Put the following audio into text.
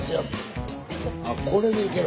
あこれでいける。